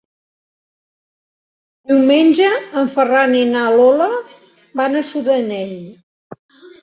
Diumenge en Ferran i na Lola van a Sudanell.